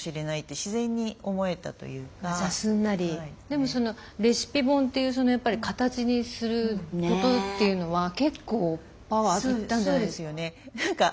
でもレシピ本というやっぱり形にすることっていうのは結構パワー要ったんじゃないですか？